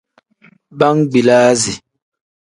Bangbilasi.